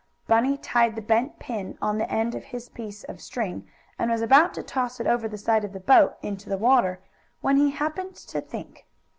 Bunny tied the bent pin on the end of his piece of string and was about to toss it over the side of the boat into the water when he happened to think.